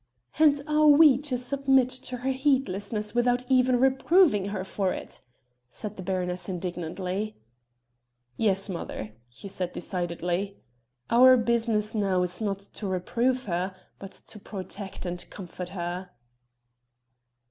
"And are we to submit to her heedlessness without even reproving her for it?" said the baroness indignantly. "Yes, mother," he said decidedly; "our business now is not to reprove her, but to protect and comfort her."